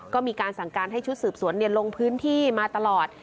ก็มีการสั่งการให้ชุดสืบสวนลงพื้นที่มาตลอด